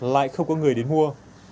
lại không có người đến mua